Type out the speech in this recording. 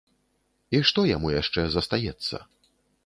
І што яму яшчэ застаецца?